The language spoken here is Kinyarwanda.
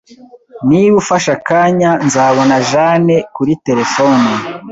Niba ufashe akanya, nzabona Jane kuri terefone